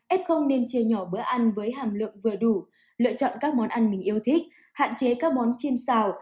f nên chia nhỏ bữa ăn với hàm lượng vừa đủ lựa chọn các món ăn mình yêu thích hạn chế các món chiên xào